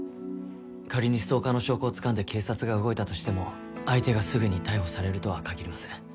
仮にストーカーの証拠をつかんで警察が動いたとしても相手がすぐに逮捕されるとはかぎりません。